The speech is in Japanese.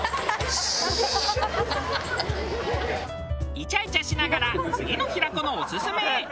イチャイチャしながら次の平子のオススメへ。